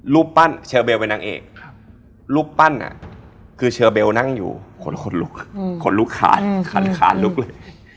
ลูกปั้นอ่ะคือเชอร์เบลล์นั่งอยู่คนละคนลุกอืมคนลุกขาดอืมขันขานลุกเลย